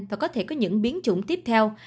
và có thể có những biến chủng tiếp theo